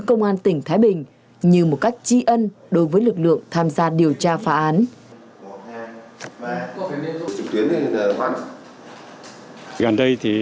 công an tỉnh thái bình như một cách chi ân đối với lực lượng tham gia điều tra phá án